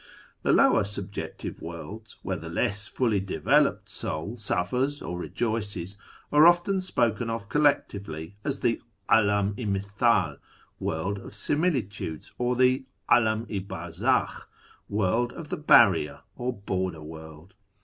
The lower subjective worlds, where the less fully developed soul suffers or rejoices, are often spoken of collectively as the 'Alam i MitJu'd ("World of Similitudes"), or the 'Alcan i Barzaldh ("World of the Barrier," or "Border world").